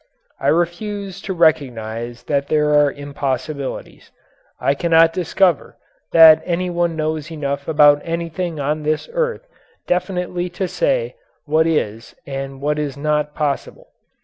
I refuse to recognize that there are impossibilities. I cannot discover that any one knows enough about anything on this earth definitely to say what is and what is not possible.